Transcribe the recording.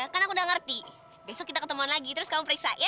kan aku udah ngerti besok kita ketemuan lagi terus kamu periksa ya